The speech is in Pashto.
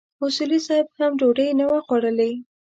اصولي صیب هم ډوډۍ نه وه خوړلې.